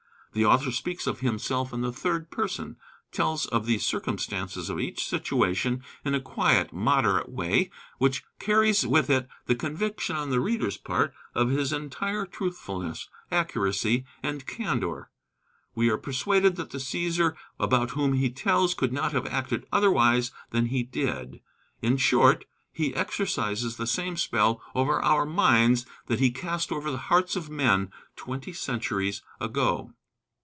The author speaks of himself in the third person, tells of the circumstances of each situation in a quiet moderate way, which carries with it the conviction on the reader's part of his entire truthfulness, accuracy, and candor. We are persuaded that the Cæsar about whom he tells could not have acted otherwise than he did. In short, he exercises the same spell over our minds that he cast over the hearts of men twenty centuries ago.